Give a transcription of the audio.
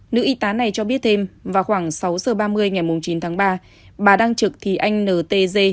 nữ y tá này cho biết thêm vào khoảng sáu giờ ba mươi ngày mùng chín tháng ba bà đang trực thì anh n t d